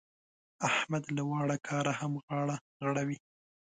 احمد له واړه کاره هم غاړه غړوي.